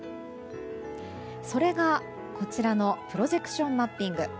それが、こちらのプロジェクションマッピング。